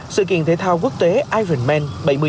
sự kiện thể thao quốc tế ironman bảy mươi ba